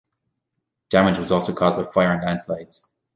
Damage was also caused by fire and landslides.